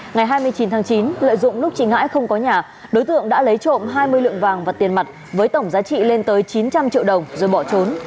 ngày hai mươi chín tháng chín lợi dụng lúc chị ngãi không có nhà đối tượng đã lấy trộm hai mươi lượng vàng và tiền mặt với tổng giá trị lên tới chín trăm linh triệu đồng rồi bỏ trốn